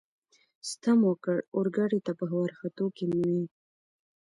ستم وکړ، اورګاډي ته په ورختو کې مې.